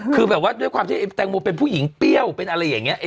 คือแบบว่าด้วยความที่แตงโมเป็นผู้หญิงเปรี้ยวเป็นอะไรอย่างนี้